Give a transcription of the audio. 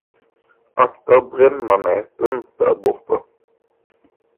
Akta brännmaneten där borta.